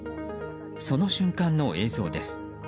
その瞬間の映像です。